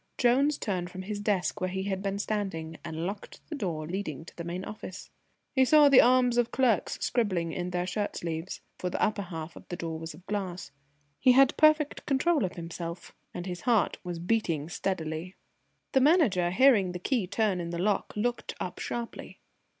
Jones turned from his desk where he had been standing, and locked the door leading into the main office. He saw the army of clerks scribbling in their shirt sleeves, for the upper half of the door was of glass. He had perfect control of himself, and his heart was beating steadily. The Manager, hearing the key turn in the lock, looked up sharply.